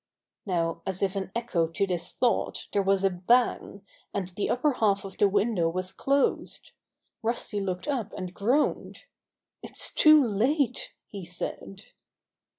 Now, as if an echo to this thought, there was a bang, and the upper half of the window was closed. Rusty looked up and groaned. *'It's too late!" he said.